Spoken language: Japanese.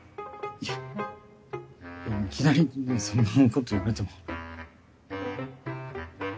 いやでもいきなりそんなこと言われても。